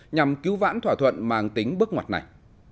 nhằm cứu vãn thỏa thuận mang tính bước ngoặt này